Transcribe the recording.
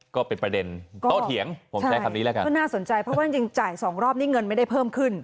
ก็เป็นประเด็นโตเถียงผมใช้คำนี้แล้วกันก็น่าสนใจเพราะว่าจริงจ่ายสองรอบนี่เงินไม่ได้เพิ่มขึ้น